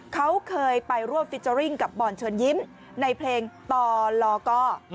เขาเคยไปร่วมฟิเจอร์ริ่งกับบอลเชิญยิ้มในเพลงต่อลอกอร์